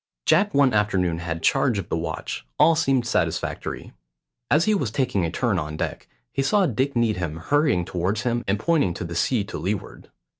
Jack one afternoon had charge of the watch; all seemed satisfactory. As he was taking a turn on deck, he saw Dick Needham hurrying towards him and pointing to the sea to leeward.